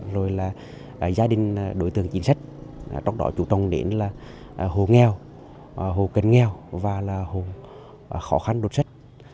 rồi là gia đình đối tượng chính sách trong đó chủ tông đến là hồ nghèo hồ kênh nghèo và là hồ khó khăn đột sách